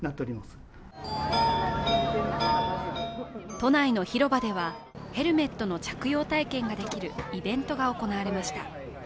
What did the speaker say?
都内の広場ではヘルメットの着用体験ができるイベントが行われました。